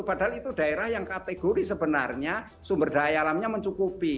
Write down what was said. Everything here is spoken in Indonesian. padahal itu daerah yang kategori sebenarnya sumber daya alamnya mencukupi